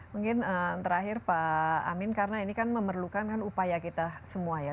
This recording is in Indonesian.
mungkin terakhir pak amin karena ini kan memerlukan kan upaya kita semua ya